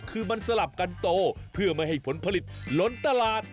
คือมันสลับกันโตเพื่อไม่ให้ผลผลิตล้นตลาด